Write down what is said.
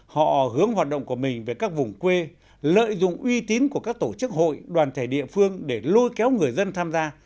họ hướng hoạt động của mình về các vùng quê lợi dụng uy tín của các tổ chức hội đoàn thể địa phương để lôi kéo người dân tham gia